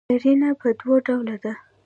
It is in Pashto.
قرینه پر دوه ډوله ده.